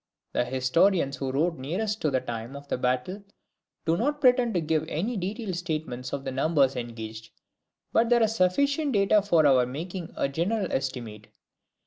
The historians who wrote nearest to the time of the battle do not pretend to give any detailed statements of the numbers engaged, but there are sufficient data for our making a general estimate.